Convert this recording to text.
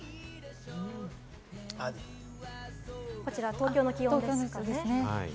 こちら東京の気温ですかね。